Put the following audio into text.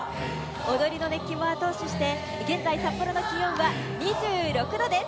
踊りの熱気も後押しして、現在、札幌の気温は２６度です。